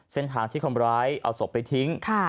เส้นทางที่คนร้ายเอาศพไปทิ้ง